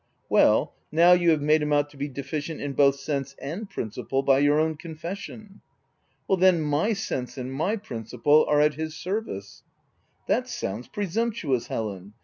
" H Well, now you have made him out to be OF W1LDFELL HALL. 311 deficient in both sense and principle, by your own confession — R Then, my sense and my principle are at his service l y " That sounds presumptuous, Helen